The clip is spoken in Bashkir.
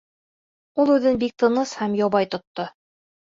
Ул үҙен бик тыныс һәм ябай тотто.